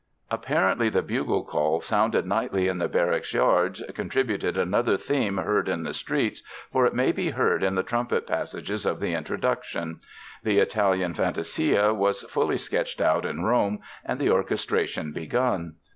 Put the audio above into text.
Apparently the bugle call sounded nightly in the barracks yards contributed another theme "heard in the streets," for it may be heard in the trumpet passage of the introduction. The Italian Fantasia was fully sketched out in Rome and the orchestration begun.